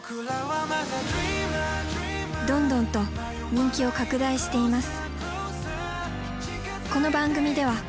どんどんと人気を拡大しています。